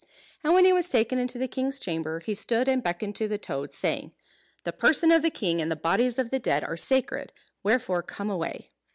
And when he was taken into the king's chamber, he stood and beckoned to the toad, saying, "The person of the king and the bodies of the dead are sacred, wherefore come away."